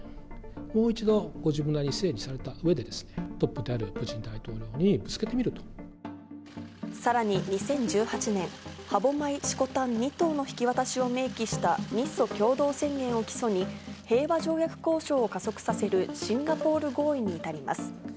もう一度ご自分なりに整理されたうえで、トップであるプーチン大さらに２０１８年、歯舞、色丹二島の引き渡しを明記した日ソ共同宣言を基礎に、平和条約交渉を加速させるシンガポール合意に至ります。